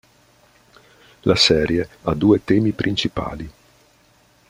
La serie ha due temi principali.